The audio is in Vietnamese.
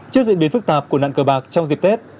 trước diễn biến phức tạp của nạn cờ bạc trong dịp tết